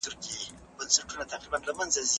که ته ژبه وساتې، عزت ساتل کېږي.